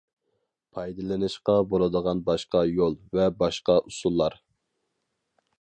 -پايدىلىنىشقا بولىدىغان باشقا يول ۋە باشقا ئۇسۇللار.